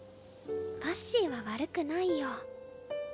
わっしーは悪くないよ。